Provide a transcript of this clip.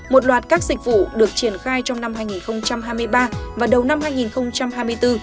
một loạt các dịch vụ được triển khai trong năm hai nghìn hai mươi ba và đầu năm hai nghìn hai mươi bốn